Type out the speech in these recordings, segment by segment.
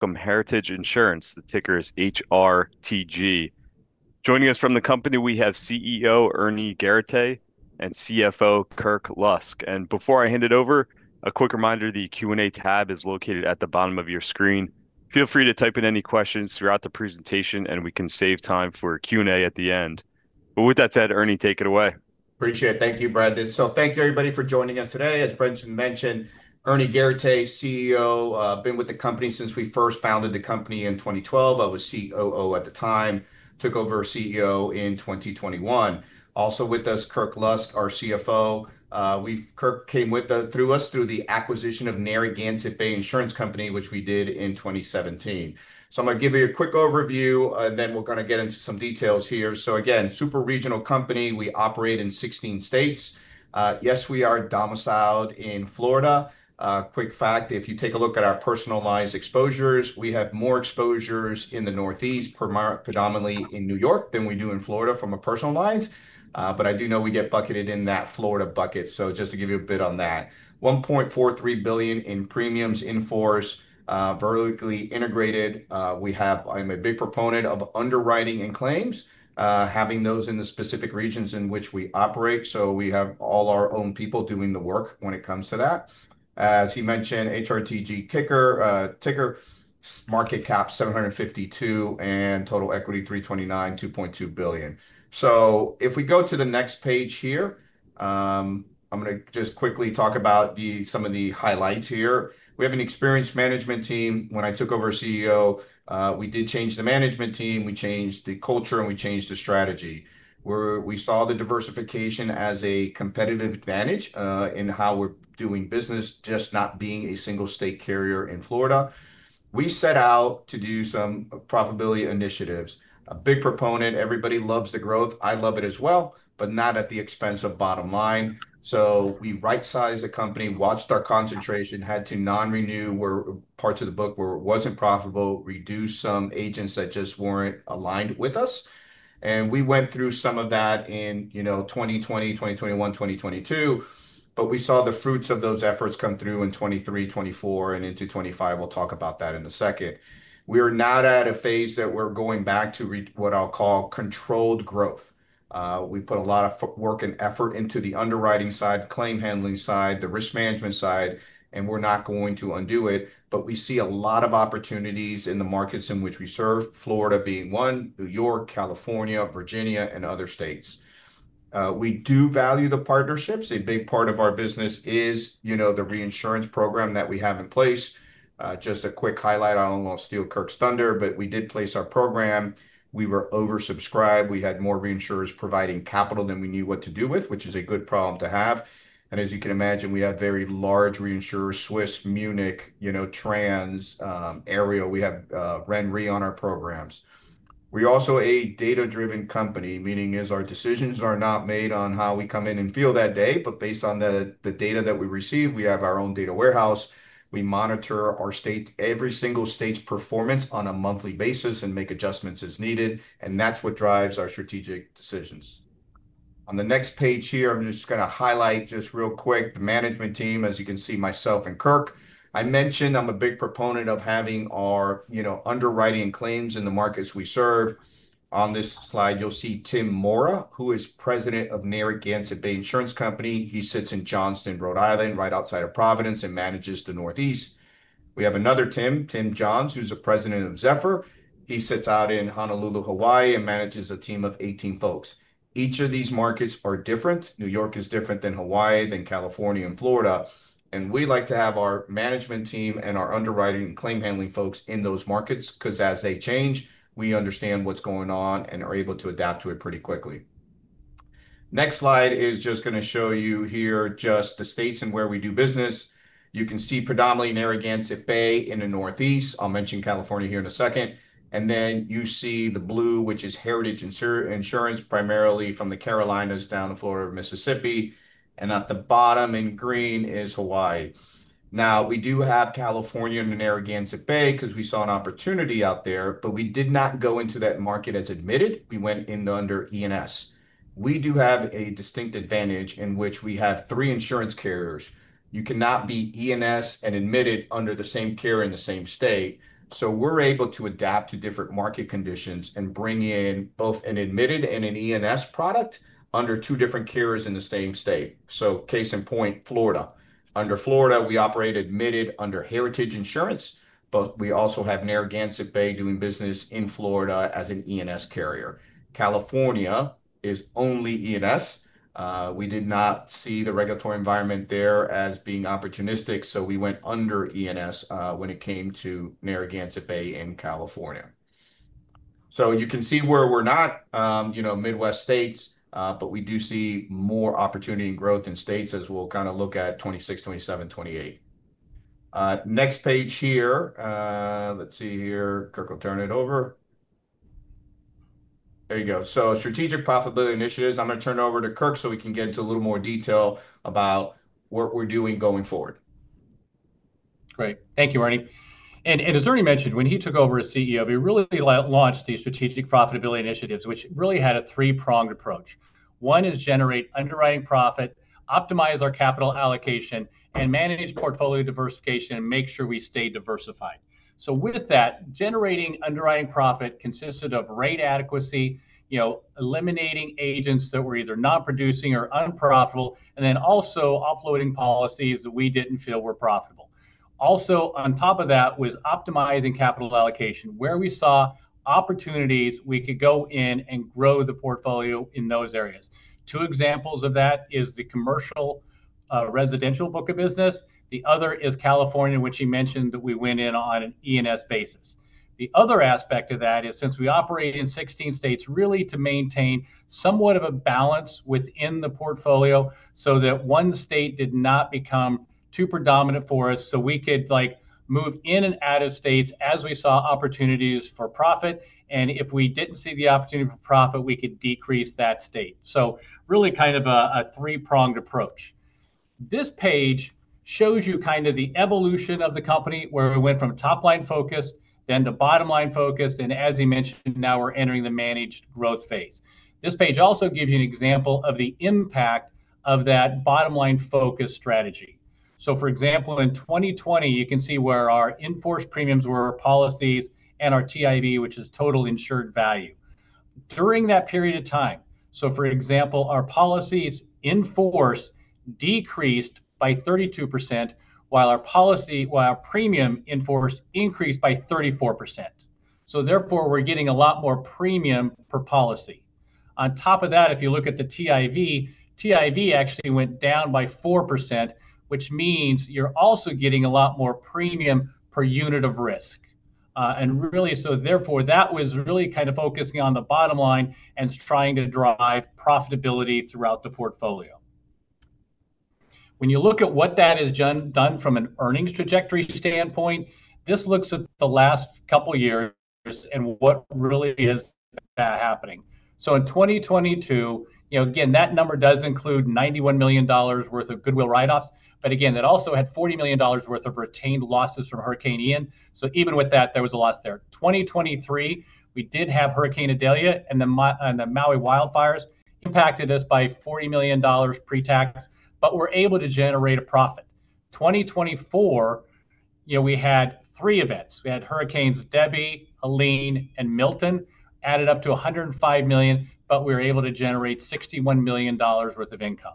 From Heritage Insurance, the ticker is HRTG. Joining us from the company, we have CEO Ernie Garateix and CFO Kirk Lusk. Before I hand it over, a quick reminder: the Q&A tab is located at the bottom of your screen. Feel free to type in any questions throughout the presentation, and we can save time for Q&A at the end. With that said, Ernie, take it away. Appreciate it. Thank you, Brandon. Thank you, everybody, for joining us today. As Brandon mentioned, Ernie Garateix, CEO, been with the company since we first founded the company in 2012. I was COO at the time, took over CEO in 2021. Also with us, Kirk Lusk, our CFO. Kirk came with us through the acquisition of Narragansett Bay Insurance Company, which we did in 2017. I'm going to give you a quick overview, and then we're going to get into some details here. Again, super regional company. We operate in 16 states. Yes, we are domiciled in Florida. Quick fact, if you take a look at our personal lines exposures, we have more exposures in the Northeast, predominantly in New York than we do in Florida from our personal lines. I do know we get bucketed in that Florida bucket. Just to give you a bit on that, $1.43 billion in premiums in force, vertically integrated. I'm a big proponent of underwriting and claims, having those in the specific regions in which we operate. We have all our own people doing the work when it comes to that. As he mentioned, HRTG ticker, market cap $752 million and total equity $329 million, $2.2 billion. If we go to the next page here, I'm going to just quickly talk about some of the highlights here. We have an experienced management team. When I took over as CEO, we did change the management team. We changed the culture, and we changed the strategy. We saw the diversification as a competitive advantage in how we're doing business, just not being a single state carrier in Florida. We set out to do some profitability initiatives. A big proponent, everybody loves the growth. I love it as well, but not at the expense of bottom line. So we right-sized the company, watched our concentration, had to non-renew where parts of the book were it wasn't profitable, reduce some agents that just weren't aligned with us. And we went through some of that in 2020, 2021, 2022. But we saw the fruits of those efforts come through in 2023, 2024, and into 2025. We'll talk about that in a second. We are not at a phase that we're going back to what I'll call controlled growth. We put a lot of work and effort into the underwriting side, claim handling side, the risk management side, and we're not going to undo it. But we see a lot of opportunities in the markets in which we serve, Florida being one, New York, California, Virginia, and other states. We do value the partnerships. A big part of our business is the reinsurance program that we have in place. Just a quick highlight, I do not want to steal Kirk's thunder, but we did place our program. We were oversubscribed. We had more reinsurers providing capital than we knew what to do with, which is a good problem to have. As you can imagine, we have very large reinsurers, Swiss, Munich, Trans. We have RENRE on our programs. We are also a data-driven company, meaning our decisions are not made on how we come in and feel that day. They are based on the data that we receive. We have our own data warehouse. We monitor every single state's performance on a monthly basis and make adjustments as needed. That is what drives our strategic decisions. On the next page here, I'm just going to highlight just real quick the management team, as you can see myself and Kirk. I mentioned I'm a big proponent of having our underwriting and claims in the markets we serve. On this slide, you'll see Tim Mora, who is President of Narragansett Bay Insurance Company. He sits in Johnston, Rhode Island, right outside of Providence and manages the Northeast. We have another Tim, Tim Johns, who's the President of Zephyr. He sits out in Honolulu, Hawaii, and manages a team of 18 folks. Each of these markets are different. New York is different than Hawaii, than California and Florida. We like to have our management team and our underwriting and claim handling folks in those markets because as they change, we understand what's going on and are able to adapt to it pretty quickly. Next slide is just going to show you here just the states and where we do business. You can see predominantly Narragansett Bay in the Northeast. I'll mention California here in a second. You see the blue, which is Heritage Insurance, primarily from the Carolinas down to Florida and Mississippi. At the bottom in green is Hawaii. We do have California and Narragansett Bay because we saw an opportunity out there, but we did not go into that market as admitted. We went in under E&S. We do have a distinct advantage in which we have three insurance carriers. You cannot be E&S and admitted under the same carrier in the same state. We are able to adapt to different market conditions and bring in both an admitted and an E&S product under two different carriers in the same state. Case in point, Florida. Under Florida, we operate admitted under Heritage Insurance, but we also have Narragansett Bay doing business in Florida as an E&S carrier. California is only E&S. We did not see the regulatory environment there as being opportunistic, so we went under E&S when it came to Narragansett Bay in California. You can see where we're not Midwest states, but we do see more opportunity and growth in states as we'll kind of look at 2026, 2027, 2028. Next page here. Let's see here. Kirk will turn it over. There you go. Strategic profitability initiatives. I'm going to turn it over to Kirk so we can get into a little more detail about what we're doing going forward. Great. Thank you, Ernie. As Ernie mentioned, when he took over as CEO, we really launched these strategic profitability initiatives, which really had a three-pronged approach. One is generate underwriting profit, optimize our capital allocation, and manage portfolio diversification and make sure we stay diversified. With that, generating underwriting profit consisted of rate adequacy, eliminating agents that were either not producing or unprofitable, and then also offloading policies that we did not feel were profitable. Also, on top of that was optimizing capital allocation, where we saw opportunities we could go in and grow the portfolio in those areas. Two examples of that are the commercial residential book of business. The other is California, which he mentioned that we went in on an E&S basis. The other aspect of that is since we operate in 16 states, really to maintain somewhat of a balance within the portfolio so that one state did not become too predominant for us, we could move in and out of states as we saw opportunities for profit. If we did not see the opportunity for profit, we could decrease that state. Really kind of a three-pronged approach. This page shows you kind of the evolution of the company, where we went from top-line focused, then to bottom-line focused. As he mentioned, now we are entering the managed growth phase. This page also gives you an example of the impact of that bottom-line focus strategy. For example, in 2020, you can see where our enforced premiums were, our policies, and our TIV, which is total insured value. During that period of time, so for example, our policies in force decreased by 32%, while our premium in force increased by 34%. Therefore, we're getting a lot more premium per policy. On top of that, if you look at the TIV, TIV actually went down by 4%, which means you're also getting a lot more premium per unit of risk. Really, therefore, that was really kind of focusing on the bottom line and trying to drive profitability throughout the portfolio. When you look at what that has done from an earnings trajectory standpoint, this looks at the last couple of years and what really is happening. In 2022, again, that number does include $91 million worth of Goodwill write-offs. Again, that also had $40 million worth of retained losses from Hurricane Ian. Even with that, there was a loss there. 2023, we did have Hurricane Idalia and the Maui wildfires impacted us by $40 million pre-tax, but we're able to generate a profit. 2024, we had three events. We had Hurricanes Debby, Helene, and Milton, added up to $105 million, but we were able to generate $61 million worth of income.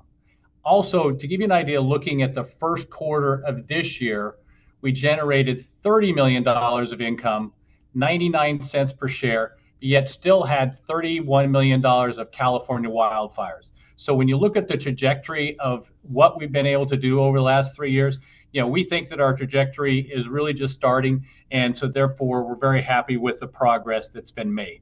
Also, to give you an idea, looking at the first quarter of this year, we generated $30 million of income, $0.99 per share, yet still had $31 million of California wildfires. When you look at the trajectory of what we've been able to do over the last three years, we think that our trajectory is really just starting. Therefore, we're very happy with the progress that's been made.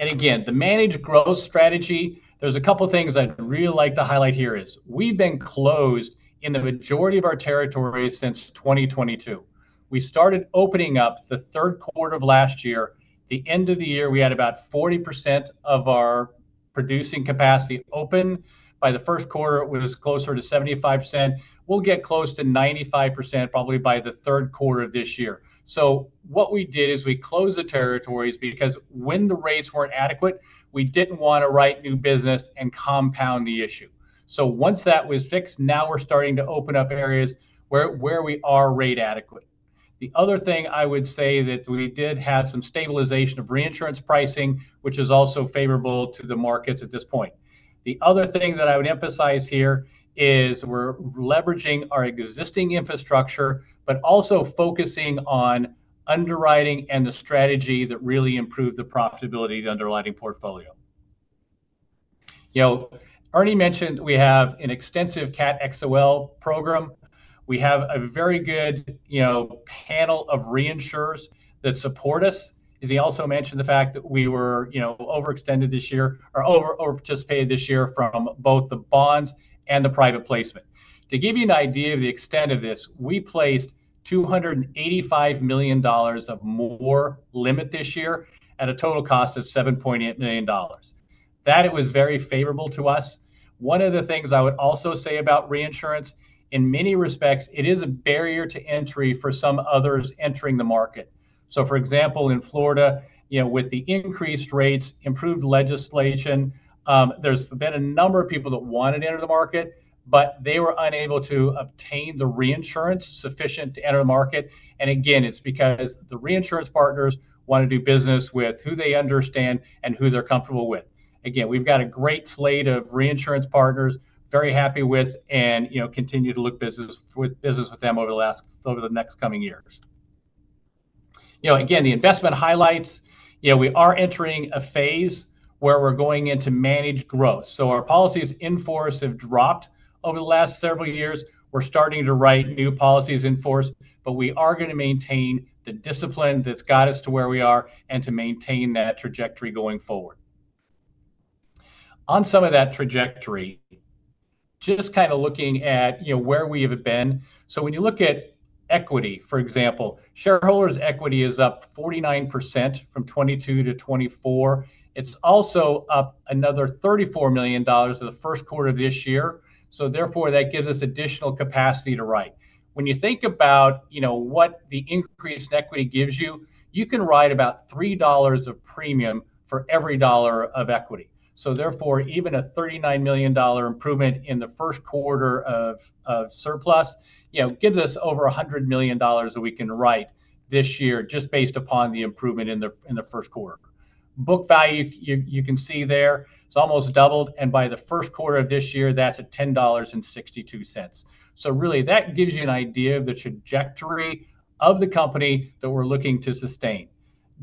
Again, the managed growth strategy, there are a couple of things I'd really like to highlight here. We've been closed in the majority of our territory since 2022. We started opening up the third quarter of last year. At the end of the year, we had about 40% of our producing capacity open. By the first quarter, it was closer to 75%. We'll get close to 95% probably by the third quarter of this year. What we did is we closed the territories because when the rates were not adequate, we did not want to write new business and compound the issue. Once that was fixed, now we're starting to open up areas where we are rate adequate. The other thing I would say is that we did have some stabilization of reinsurance pricing, which is also favorable to the markets at this point. The other thing that I would emphasize here is we're leveraging our existing infrastructure, but also focusing on underwriting and the strategy that really improved the profitability of the underwriting portfolio. Ernie mentioned we have an extensive CAT XOL program. We have a very good panel of reinsurers that support us. He also mentioned the fact that we were overextended this year or over-participated this year from both the bonds and the private placement. To give you an idea of the extent of this, we placed $285 million of more limit this year at a total cost of $7.8 million. That was very favorable to us. One of the things I would also say about reinsurance, in many respects, it is a barrier to entry for some others entering the market. For example, in Florida, with the increased rates, improved legislation, there's been a number of people that wanted to enter the market, but they were unable to obtain the reinsurance sufficient to enter the market. Again, it's because the reinsurance partners want to do business with who they understand and who they're comfortable with. Again, we've got a great slate of reinsurance partners, very happy with, and continue to look business with them over the next coming years. The investment highlights, we are entering a phase where we're going into managed growth. Our policies in force have dropped over the last several years. We're starting to write new policies in force, but we are going to maintain the discipline that's got us to where we are and to maintain that trajectory going forward. On some of that trajectory, just kind of looking at where we have been. When you look at equity, for example, shareholders' equity is up 49% from 2022 to 2024. It's also up another $34 million in the first quarter of this year. Therefore, that gives us additional capacity to write. When you think about what the increased equity gives you, you can write about $3 of premium for every dollar of equity. Therefore, even a $39 million improvement in the first quarter of surplus gives us over $100 million that we can write this year just based upon the improvement in the first quarter. Book value, you can see there, it's almost doubled. By the first quarter of this year, that's at $10.62. That gives you an idea of the trajectory of the company that we're looking to sustain.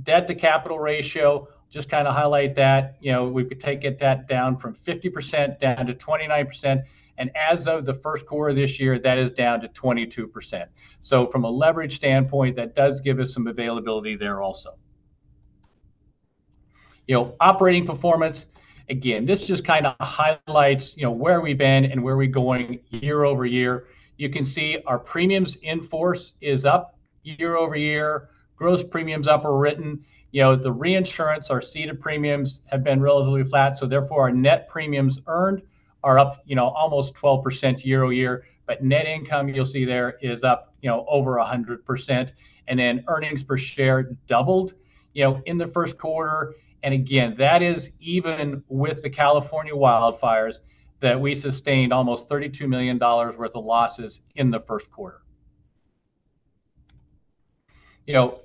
Debt-to-capital ratio, just kind of highlight that. We could take that down from 50% down to 29%. As of the first quarter of this year, that is down to 22%. From a leverage standpoint, that does give us some availability there also. Operating performance, again, this just kind of highlights where we've been and where we're going year over year. You can see our premiums in force is up year over year. Gross premiums written are up. The reinsurance, our ceded premiums have been relatively flat. Therefore, our net premiums earned are up almost 12% year over year. Net income, you'll see there, is up over 100%. Earnings per share doubled in the first quarter. Again, that is even with the California wildfires that we sustained almost $32 million worth of losses in the first quarter.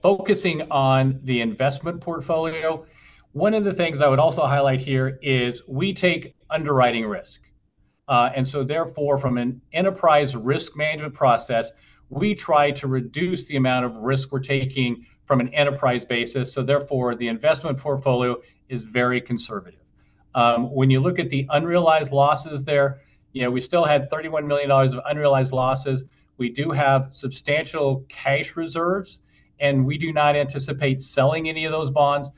Focusing on the investment portfolio, one of the things I would also highlight here is we take underwriting risk. Therefore, from an enterprise risk management process, we try to reduce the amount of risk we are taking from an enterprise basis. Therefore, the investment portfolio is very conservative. When you look at the unrealized losses there, we still had $31 million of unrealized losses. We do have substantial cash reserves, and we do not anticipate selling any of those bonds.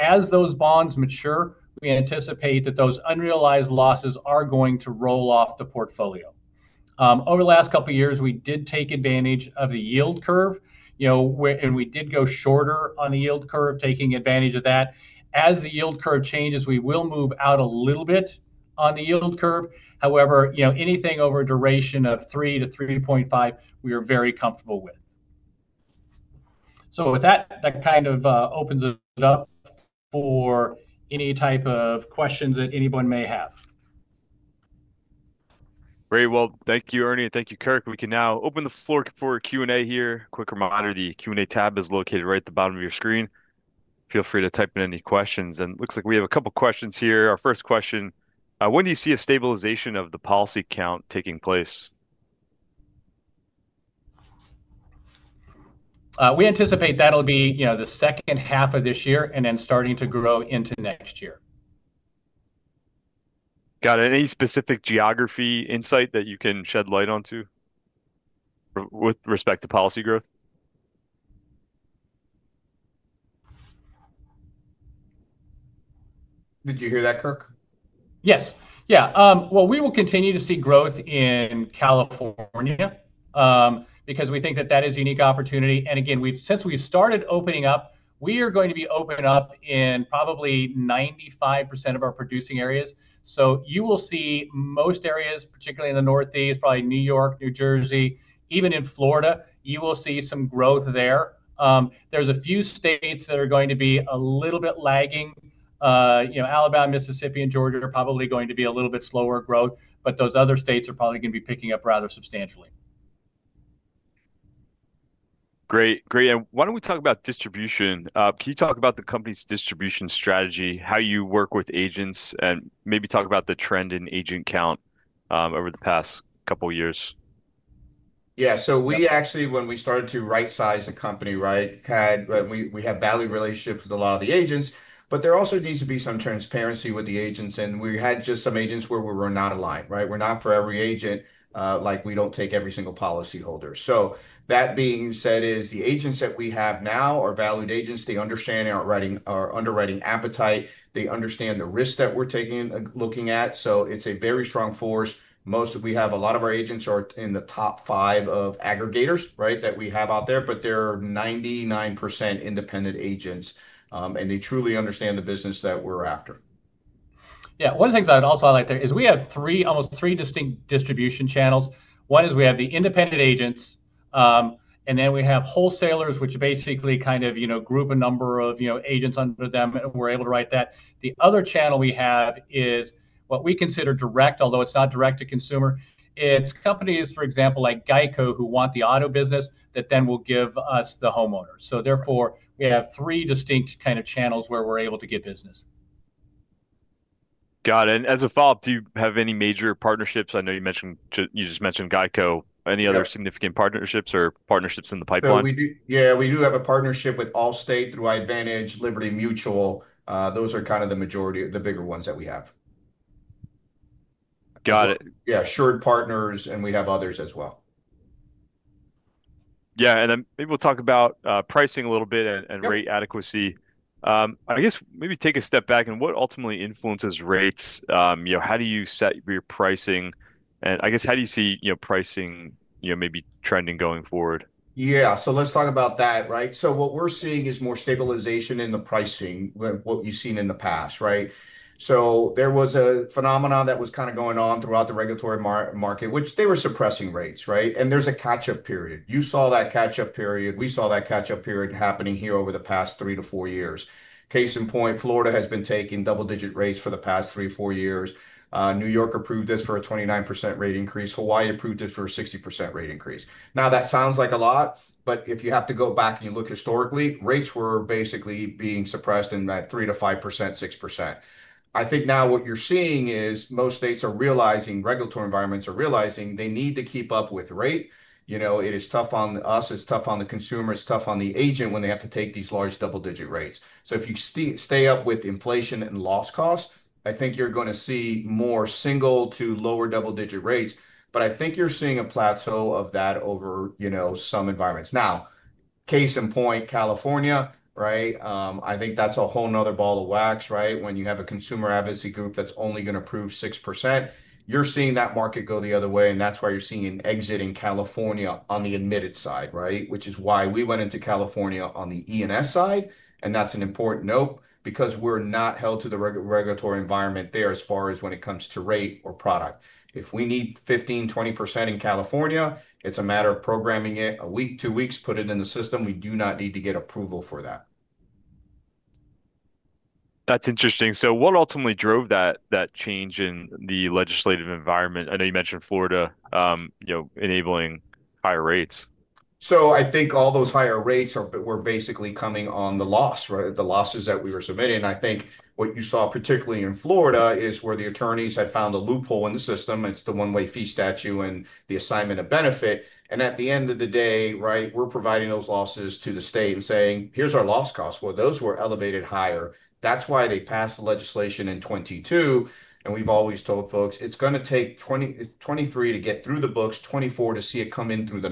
As those bonds mature, we anticipate that those unrealized losses are going to roll off the portfolio. Over the last couple of years, we did take advantage of the yield curve, and we did go shorter on the yield curve, taking advantage of that. As the yield curve changes, we will move out a little bit on the yield curve. However, anything over a duration of 3-3.5, we are very comfortable with. That kind of opens it up for any type of questions that anyone may have. Great. Thank you, Ernie. Thank you, Kirk. We can now open the floor for Q&A here. Quick reminder, the Q&A tab is located right at the bottom of your screen. Feel free to type in any questions. It looks like we have a couple of questions here. Our first question, when do you see a stabilization of the policy count taking place? We anticipate that'll be the second half of this year and then starting to grow into next year. Got it. Any specific geography insight that you can shed light onto with respect to policy growth? Did you hear that, Kirk? Yes. Yeah. We will continue to see growth in California because we think that that is a unique opportunity. And again, since we've started opening up, we are going to be open up in probably 95% of our producing areas. You will see most areas, particularly in the Northeast, probably New York, New Jersey, even in Florida, you will see some growth there. There are a few states that are going to be a little bit lagging. Alabama, Mississippi, and Georgia are probably going to be a little bit slower growth, but those other states are probably going to be picking up rather substantially. Great. Great. Why do not we talk about distribution? Can you talk about the company's distribution strategy, how you work with agents, and maybe talk about the trend in agent count over the past couple of years? Yeah. So we actually, when we started to right-size the company, right, we have value relationships with a lot of the agents, but there also needs to be some transparency with the agents. We had just some agents where we were not aligned, right? We're not for every agent. We don't take every single policyholder. That being said, the agents that we have now are valued agents. They understand our underwriting appetite. They understand the risks that we're looking at. It is a very strong force. Most of, we have a lot of our agents are in the top five of aggregators that we have out there, but they are 99% independent agents. They truly understand the business that we're after. Yeah. One of the things I'd also highlight there is we have almost three distinct distribution channels. One is we have the independent agents, and then we have wholesalers, which basically kind of group a number of agents under them. We're able to write that. The other channel we have is what we consider direct, although it's not direct to consumer. It's companies, for example, like GEICO who want the auto business that then will give us the homeowners. Therefore, we have three distinct kind of channels where we're able to get business. Got it. As a follow-up, do you have any major partnerships? I know you just mentioned GEICO. Any other significant partnerships or partnerships in the pipeline? Yeah. We do have a partnership with Allstate through Advantage, Liberty Mutual. Those are kind of the majority, the bigger ones that we have. Got it. Yeah. AssuredPartners, and we have others as well. Yeah. And then maybe we'll talk about pricing a little bit and rate adequacy. I guess maybe take a step back and what ultimately influences rates? How do you set your pricing? And I guess, how do you see pricing maybe trending going forward? Yeah. Let's talk about that, right? What we're seeing is more stabilization in the pricing than what you've seen in the past, right? There was a phenomenon that was kind of going on throughout the regulatory market, which they were suppressing rates, right? There's a catch-up period. You saw that catch-up period. We saw that catch-up period happening here over the past three to four years. Case in point, Florida has been taking double-digit rates for the past three to four years. New York approved this for a 29% rate increase. Hawaii approved it for a 60% rate increase. Now, that sounds like a lot, but if you have to go back and you look historically, rates were basically being suppressed in that 3%-5%, 6%. I think now what you're seeing is most states are realizing, regulatory environments are realizing they need to keep up with rate. It is tough on us. It's tough on the consumer. It's tough on the agent when they have to take these large double-digit rates. If you stay up with inflation and loss costs, I think you're going to see more single to lower double-digit rates. I think you're seeing a plateau of that over some environments. Now, case in point, California, right? I think that's a whole nother ball of wax, right? When you have a consumer advocacy group that's only going to approve 6%, you're seeing that market go the other way. That's why you're seeing an exit in California on the admitted side, right? Which is why we went into California on the E&S side. That's an important note because we're not held to the regulatory environment there as far as when it comes to rate or product. If we need 15%-20% in California, it's a matter of programming it a week, two weeks, put it in the system. We do not need to get approval for that. That's interesting. What ultimately drove that change in the legislative environment? I know you mentioned Florida enabling higher rates. I think all those higher rates were basically coming on the loss, right? The losses that we were submitting. I think what you saw, particularly in Florida, is where the attorneys had found a loophole in the system. It's the one-way fee statute and the assignment of benefit. At the end of the day, right, we're providing those losses to the state and saying, "Here's our loss cost." Those were elevated higher. That's why they passed the legislation in 2022. We've always told folks, "It's going to take 2023 to get through the books, 2024 to see it come in through the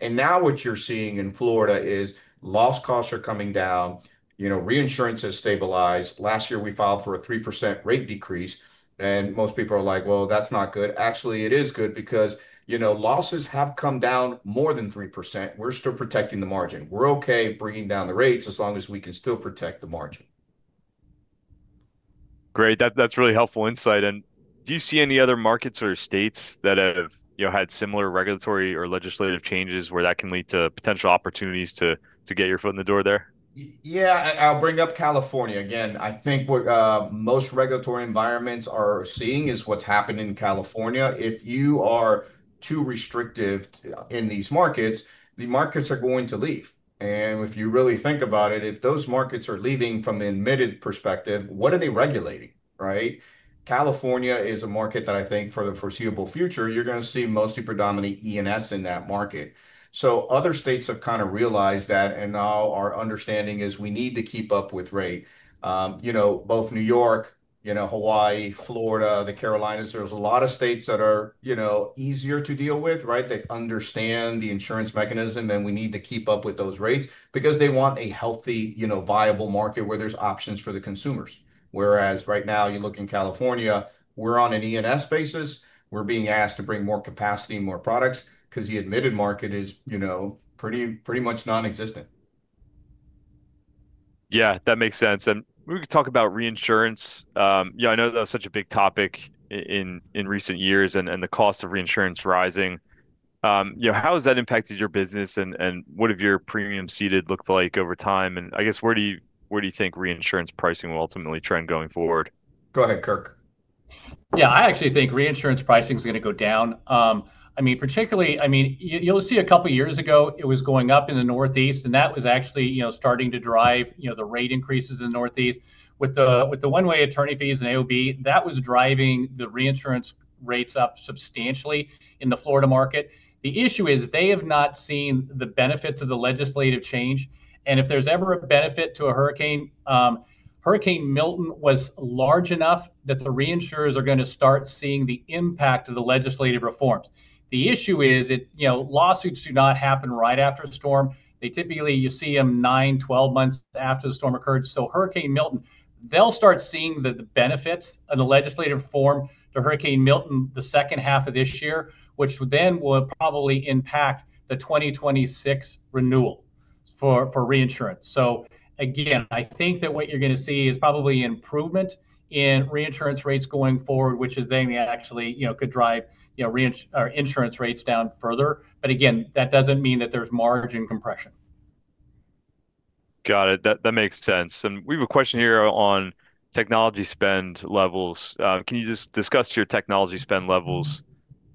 numbers." Now what you're seeing in Florida is loss costs are coming down. Reinsurance has stabilized. Last year, we filed for a 3% rate decrease. Most people are like, "Well, that's not good." Actually, it is good because losses have come down more than 3%. We're still protecting the margin. We're okay bringing down the rates as long as we can still protect the margin. Great. That's really helpful insight. Do you see any other markets or states that have had similar regulatory or legislative changes where that can lead to potential opportunities to get your foot in the door there? Yeah. I'll bring up California. Again, I think what most regulatory environments are seeing is what's happened in California. If you are too restrictive in these markets, the markets are going to leave. And if you really think about it, if those markets are leaving from the admitted perspective, what are they regulating, right? California is a market that I think for the foreseeable future, you're going to see mostly predominantly E&S in that market. Other states have kind of realized that. Now our understanding is we need to keep up with rate. Both New York, Hawaii, Florida, the Carolinas, there's a lot of states that are easier to deal with, right? They understand the insurance mechanism, and we need to keep up with those rates because they want a healthy, viable market where there's options for the consumers. Whereas right now, you look in California, we're on an E&S basis. We're being asked to bring more capacity and more products because the admitted market is pretty much nonexistent. Yeah. That makes sense. We can talk about reinsurance. I know that's such a big topic in recent years and the cost of reinsurance rising. How has that impacted your business, and what have your premiums ceded looked like over time? I guess, where do you think reinsurance pricing will ultimately trend going forward? Go ahead, Kirk. Yeah. I actually think reinsurance pricing is going to go down. I mean, particularly, I mean, you'll see a couple of years ago, it was going up in the Northeast, and that was actually starting to drive the rate increases in the Northeast. With the one-way attorney fees and AOB, that was driving the reinsurance rates up substantially in the Florida market. The issue is they have not seen the benefits of the legislative change. If there is ever a benefit to a hurricane, Hurricane Milton was large enough that the reinsurers are going to start seeing the impact of the legislative reforms. The issue is lawsuits do not happen right after a storm. They typically, you see them nine, 12 months after the storm occurred. Hurricane Milton, they'll start seeing the benefits of the legislative reform to Hurricane Milton the second half of this year, which then will probably impact the 2026 renewal for reinsurance. Again, I think that what you're going to see is probably improvement in reinsurance rates going forward, which is then actually could drive insurance rates down further. Again, that doesn't mean that there's margin compression. Got it. That makes sense. We have a question here on technology spend levels. Can you just discuss your technology spend levels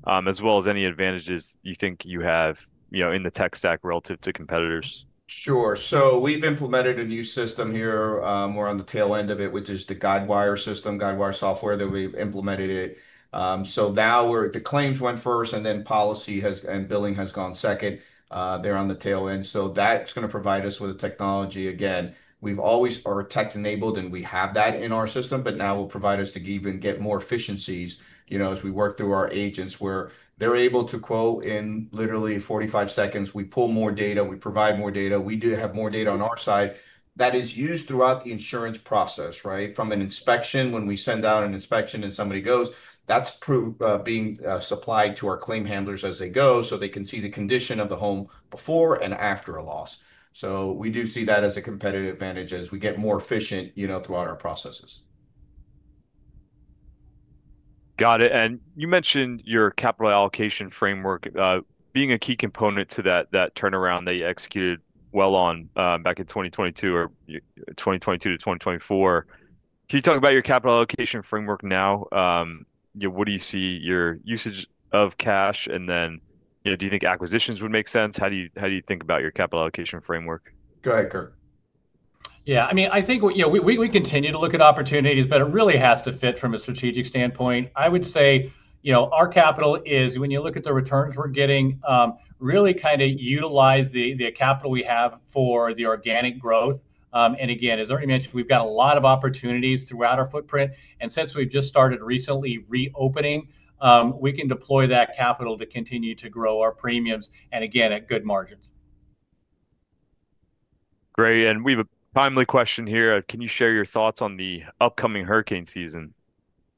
as well as any advantages you think you have in the tech stack relative to competitors? Sure. We've implemented a new system here. We're on the tail end of it, which is the Guidewire system, Guidewire software that we implemented. Now the claims went first, and then policy and billing has gone second. They're on the tail end. That's going to provide us with a technology. Again, we've always are tech-enabled, and we have that in our system, but now it will provide us to even get more efficiencies as we work through our agents where they're able to quote in literally 45 seconds. We pull more data. We provide more data. We do have more data on our side that is used throughout the insurance process, right? From an inspection, when we send out an inspection and somebody goes, that's being supplied to our claim handlers as they go so they can see the condition of the home before and after a loss. We do see that as a competitive advantage as we get more efficient throughout our processes. Got it. You mentioned your capital allocation framework being a key component to that turnaround they executed well on back in 2022 or 2022 to 2024. Can you talk about your capital allocation framework now? What do you see your usage of cash? Do you think acquisitions would make sense? How do you think about your capital allocation framework? Go ahead, Kirk. Yeah. I mean, I think we continue to look at opportunities, but it really has to fit from a strategic standpoint. I would say our capital is, when you look at the returns we're getting, really kind of utilize the capital we have for the organic growth. I mean, as I already mentioned, we've got a lot of opportunities throughout our footprint. Since we've just started recently reopening, we can deploy that capital to continue to grow our premiums and again, at good margins. Great. We have a timely question here. Can you share your thoughts on the upcoming hurricane season?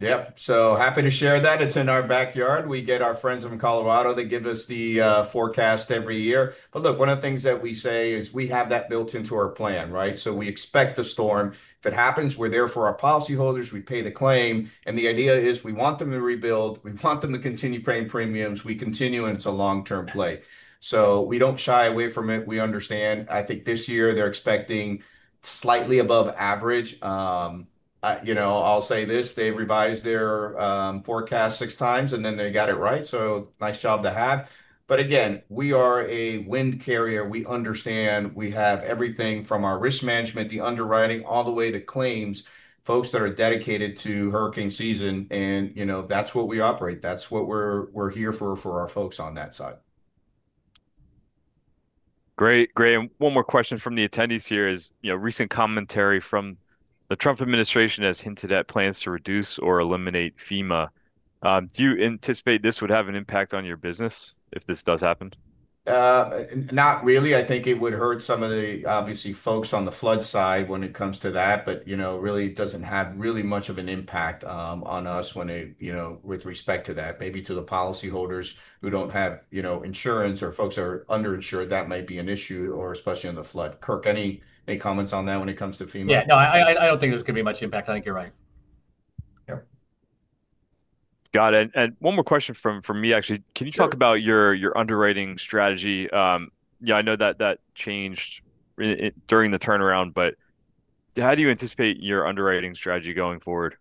Yep. So happy to share that. It is in our backyard. We get our friends from Colorado that give us the forecast every year. Look, one of the things that we say is we have that built into our plan, right? We expect the storm. If it happens, we are there for our policyholders. We pay the claim. The idea is we want them to rebuild. We want them to continue paying premiums. We continue, and it is a long-term play. We do not shy away from it. We understand. I think this year they are expecting slightly above average. I will say this. They revised their forecast six times, and then they got it right. Nice job to have. Again, we are a wind carrier. We understand. We have everything from our risk management, the underwriting, all the way to claims, folks that are dedicated to hurricane season. That's what we operate. That's what we're here for, for our folks on that side. Great. Great. One more question from the attendees here is recent commentary from the Trump administration has hinted at plans to reduce or eliminate FEMA. Do you anticipate this would have an impact on your business if this does happen? Not really. I think it would hurt some of the, obviously, folks on the flood side when it comes to that, but really does not have really much of an impact on us with respect to that, maybe to the policyholders who do not have insurance or folks that are underinsured. That might be an issue, especially on the flood. Kirk, any comments on that when it comes to FEMA? Yeah. No, I don't think there's going to be much impact. I think you're right. Yep. Got it. And one more question from me, actually. Can you talk about your underwriting strategy? I know that changed during the turnaround, but how do you anticipate your underwriting strategy going forward?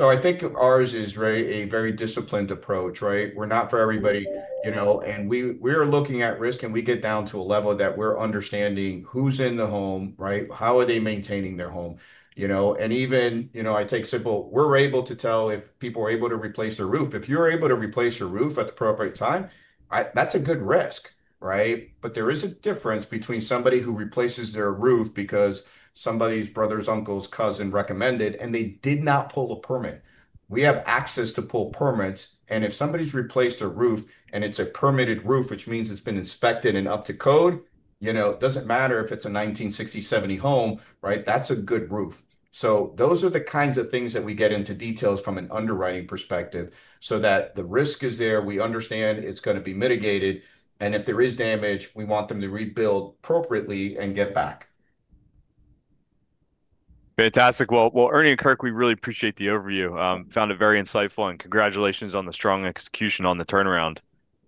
I think ours is a very disciplined approach, right? We're not for everybody. We are looking at risk, and we get down to a level that we're understanding who's in the home, right? How are they maintaining their home? Even, I take simple, we're able to tell if people are able to replace their roof. If you're able to replace your roof at the appropriate time, that's a good risk, right? There is a difference between somebody who replaces their roof because somebody's brother's uncle's cousin recommended and they did not pull a permit. We have access to pull permits. If somebody's replaced their roof and it's a permitted roof, which means it's been inspected and up to code, it doesn't matter if it's a 1960, 1970 home, right? That's a good roof. Those are the kinds of things that we get into details from an underwriting perspective so that the risk is there. We understand it's going to be mitigated. If there is damage, we want them to rebuild appropriately and get back. Fantastic. Ernie and Kirk, we really appreciate the overview. Found it very insightful. Congratulations on the strong execution on the turnaround.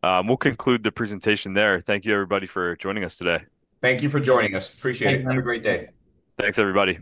We'll conclude the presentation there. Thank you, everybody, for joining us today. Thank you for joining us. Appreciate it. Have a great day. Thanks, everybody.